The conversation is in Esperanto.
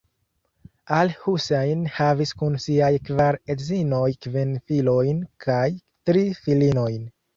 Al-Husejn havis kun siaj kvar edzinoj kvin filojn kaj tri filinojn.